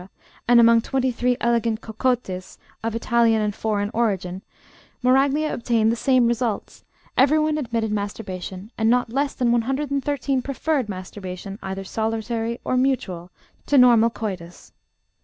and among 23 "elegant cocottes," of Italian and foreign origin, Moraglia obtained the same results; everyone admitted masturbation, and not less than 113 preferred masturbation, either solitary or mutual, to normal coitus.